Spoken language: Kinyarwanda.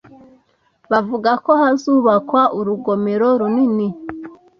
Bavuga ko hazubakwa urugomero runini